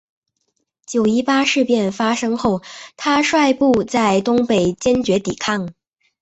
九一八事变发生后他率部在东北坚决抵抗。